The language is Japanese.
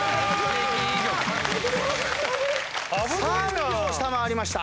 ３秒下回りました。